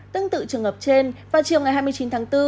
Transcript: tương tự trường hợp trên vào chiều ngày hai mươi chín tháng bốn